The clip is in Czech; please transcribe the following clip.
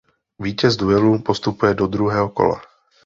Vítěz duelu postupuje do druhého kola.